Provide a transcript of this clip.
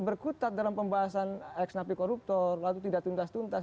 berkutat dalam pembahasan ex napi koruptor lalu tidak tuntas tuntas